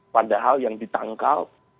padahal yang ditangkal